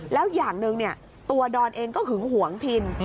แล้วอย่างหนึ่งตัวดอนเองก็หึงหวงพิน